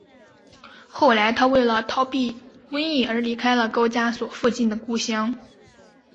后来他为了逃避瘟疫而离开了高加索附近的故乡。